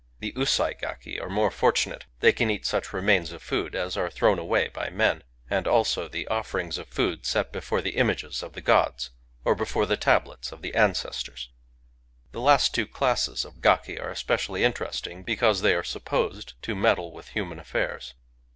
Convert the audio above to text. The Usai gaki are more fortunate : they can cat such remains of food as are thrown away by men, and also the offerings of food set before the images of the gods, or before the tablets of the ancestors. The last two classes of gaki are especially interesting, because they are sup posed to meddle with human affairs.